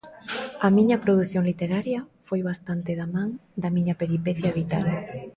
A miña produción literaria foi bastante da man da miña peripecia vital.